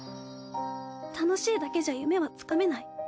楽しいだけじゃ夢はつかめない。